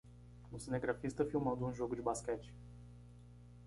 Um cinegrafista filmando um jogo de basquete.